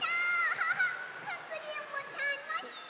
ハハッかくれんぼたのしい！